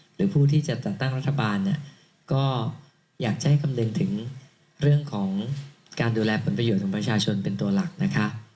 หรือผู้ที่จะจัดตั้งรัฐบาลเนี่ยก็อยากจะให้คำนึงถึงเรื่องของการดูแลผลประโยชน์ของประชาชนเป็นตัวหลักนะคะ